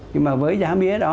nhưng mà với giá mía đó